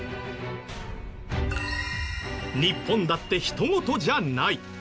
日本だってひとごとじゃない。